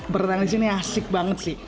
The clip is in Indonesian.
berenang di sini asik banget sih